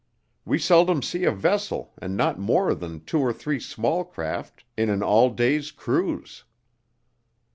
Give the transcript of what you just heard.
We seldom see a vessel and not more than two or three small craft in an all day's cruise."